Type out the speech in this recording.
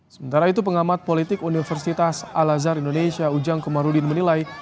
sementara itu pengamat politik universitas al azhar indonesia ujang komarudin menilai